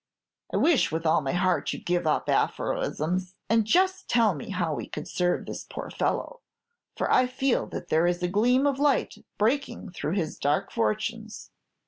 "I wish with all my heart you 'd give up aphorisms, and just tell me how we could serve this poor fellow; for I feel that there is a gleam of light breaking through his dark fortunes."